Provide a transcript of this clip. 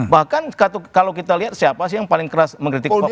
bahkan kalau kita lihat siapa sih yang paling keras mengkritik semua